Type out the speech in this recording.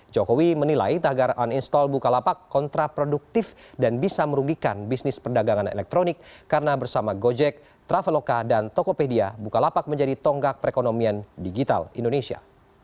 jokowi menilai tagar uninstall bukalapak kontraproduktif dan bisa merugikan bisnis perdagangan elektronik karena bersama gojek traveloka dan tokopedia bukalapak menjadi tonggak perekonomian digital indonesia